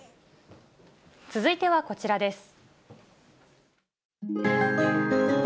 続いてはこちらです。